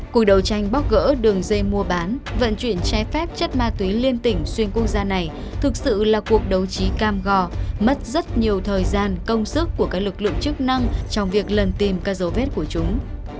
cuộc đấu tranh bóc gỡ đường dây mua bán vận chuyển trái phép chất ma túy liên tỉnh xuyên quốc gia này thực sự là cuộc đấu trí cam gò mất rất nhiều thời gian công sức của các lực lượng chức năng trong việc lần tìm các dấu vết của chúng